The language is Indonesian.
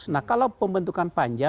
nah kalau pembentukan panja